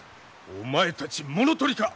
お前たち物取りか！